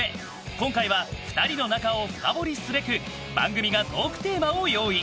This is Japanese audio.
今回は２人の仲を深掘りすべく番組がトークテーマを用意。